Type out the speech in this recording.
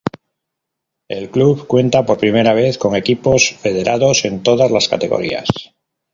El club cuenta por primera vez con equipos federados en todas las categorías.